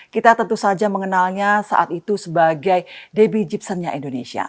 kita tentu saja mengenalnya saat itu sebagai debbie jeepsonnya indonesia